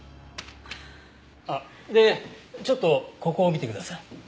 あっでちょっとここを見てください。